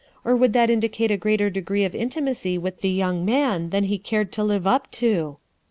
or would that indicate a greater degree of intimacy with the young man than he cared to live up to?"